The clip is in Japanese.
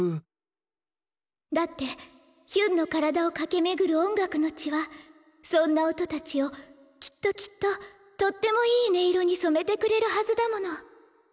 だってヒュンの体を駆け巡る音楽の血はそんな音たちをきっときっととってもいい音色に染めてくれるはずだもの。